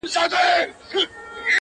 • ځوان لگيا دی ـ